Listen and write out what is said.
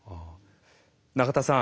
永田さん